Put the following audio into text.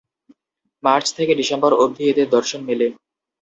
March থেকে December অবধি এদের দর্শন মেলে।